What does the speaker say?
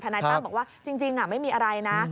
นายตั้มบอกว่าจริงไม่มีอะไรนะ